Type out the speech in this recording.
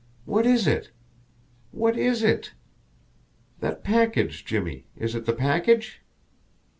What is it? What is it? That package, Jimmie is it the package?"